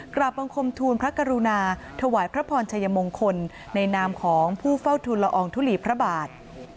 บังคมทูลพระกรุณาถวายพระพรชัยมงคลในนามของผู้เฝ้าทุนละอองทุลีพระบาท